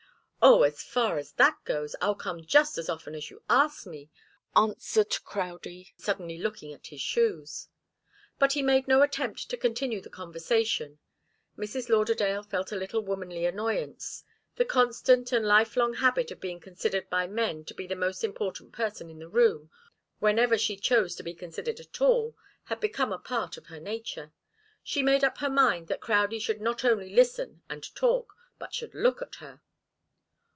"Oh, as far as that goes, I'll come just as often as you ask me," answered Crowdie, suddenly looking at his shoes. But he made no attempt to continue the conversation. Mrs. Lauderdale felt a little womanly annoyance. The constant and life long habit of being considered by men to be the most important person in the room, whenever she chose to be considered at all, had become a part of her nature. She made up her mind that Crowdie should not only listen and talk, but should look at her.